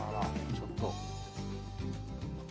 ちょっと。